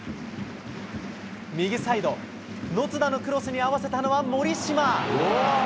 右サイド、野津田のクロスに合わせたのは森島。